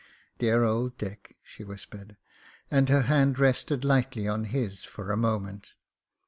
"Dear old Dick," she whis pered, and her hand rested lightly on his for a moment.